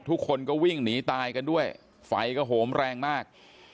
ทุกคนก็วิ่งหนีตายกันด้วยไฟก็โหมแรงมาก